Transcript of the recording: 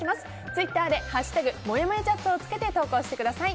ツイッターで「＃もやもやチャット」をつけて投稿してください。